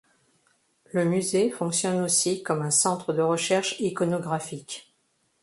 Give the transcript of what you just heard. Le musée fonctionne aussi comme un centre de recherche iconographique.